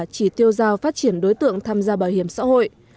cho giao phát triển đối tượng tham gia bảo hiểm xã hội